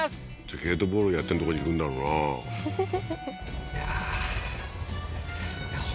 ゲートボールやってるとこに行くんだろうなふふ